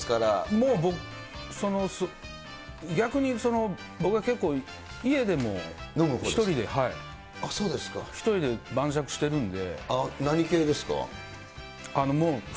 もう、逆に僕は結構家でも１人で、１人で晩酌しているんで。